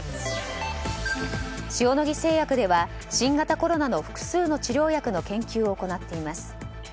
塩野義製薬では新型コロナの複数の治療薬の研究を行っています。